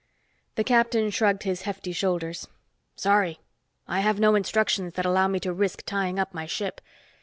The captain shrugged his hefty shoulders. "Sorry, I have no instructions that allow me to risk tying up my ship.